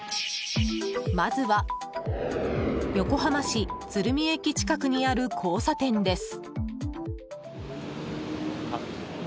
まずは横浜市鶴見駅近くにある交差点です。